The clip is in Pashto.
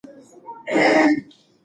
هغه وویل چې زه خپله وظیفه پېژنم.